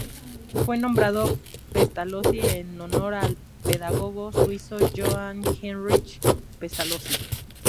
Fue nombrado Pestalozzi en honor al pedagogo suizo Johann Heinrich Pestalozzi.